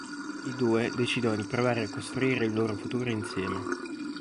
I due decidono di provare a costruire il loro futuro insieme.